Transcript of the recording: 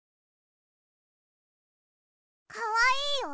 かわいいよ。